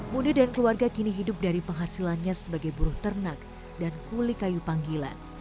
munir dan keluarga kini hidup dari penghasilannya sebagai buruh ternak dan kuli kayu panggilan